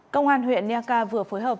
công an huyện niaca vừa phối hợp